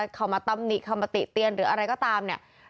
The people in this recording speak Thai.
เขามาตำหนิเข้ามาติเตียนหรืออะไรก็ตามเนี่ย